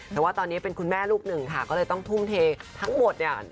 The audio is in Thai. แต่ว่าตอนนี้เป็นคุณแม่ลูกหนึ่งค่ะก็เลยต้องทุ่มเททั้งหมดเนี่ย